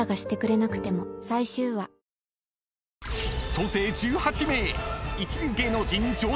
［総勢１８名］